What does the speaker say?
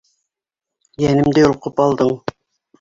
Йәнемде йолҡоп алдың!